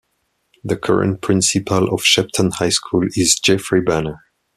The current principal of Shepton High School is Jeffrey Banner.